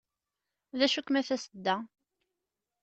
D acu-kem a tasedda?